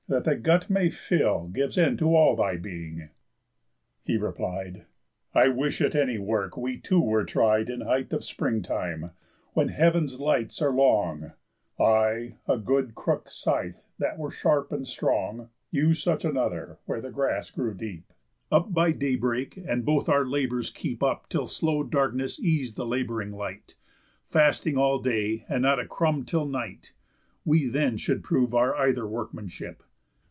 That thy gut may fill, Gives end to all thy being." He replied: "I wish, at any work we two were tried, In height of spring time, when heav'n's lights are long, I a good crook'd scythe that were sharp and strong, You such another, where the grass grew deep, Up by day break, and both our labours keep Up till slow darkness eas'd the labouring light, Fasting all day, and not a crumb till night; We then should prove our either workmanship.